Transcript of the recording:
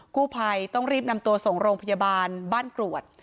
กู้ภัยต้องรีบนำตัวส่งโรงพยาบาลบ้านกรวด